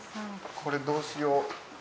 これどうしよう。